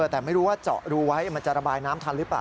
แต่ไม่รู้ว่าเจาะรูไว้มันจะระบายน้ำทันหรือเปล่า